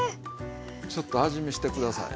ちょっと味見して下さい。